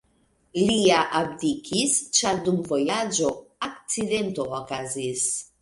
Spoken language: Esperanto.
Lia abdikis, ĉar dum vojaĝo akcidento okazis.